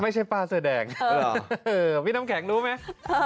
พี่น้ำแข็งรู้มั้ย